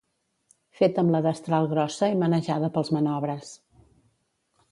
Fet amb la destral grossa i manejada pels manobres.